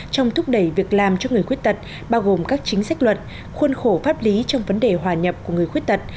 trong thúc đẩy việc làm cho người khuyết tật bao gồm các chính sách luật khuôn khổ pháp lý trong vấn đề hòa nhập của người khuyết tật